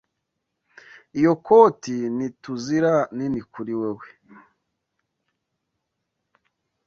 Iyo koti niTUZIra nini kuri wewe.